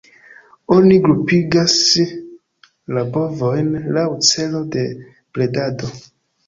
Oni grupigas la bovojn laŭ celo de bredado.